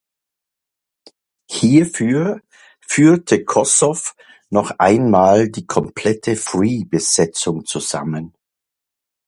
Hierfür führte Kossoff noch einmal die komplette Free-Besetzung zusammen.